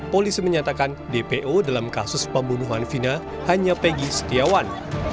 polisi menyatakan dpo dalam kasus pembunuhan vina hanya peggy setiawan